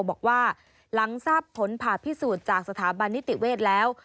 บอกว่าหลังทราบผลผ่าพิสูจน์จากสถาบันนิติเวศแล้ว